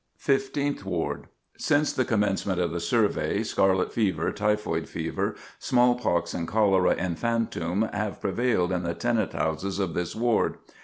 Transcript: Fifteenth Ward: Since the commencement of the survey, scarlet fever, typhoid fever, smallpox, and cholera infantum have prevailed in the tenant houses of this ward.